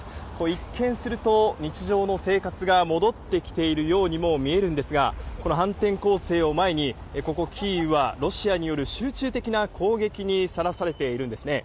一見すると日常の生活が戻ってきているようにも見えるんですが、反転攻勢を前にここキーウはロシアによる集中的な攻撃にさらされているんですね。